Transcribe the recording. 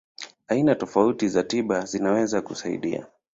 Aina tofauti za tiba zinaweza kusaidia.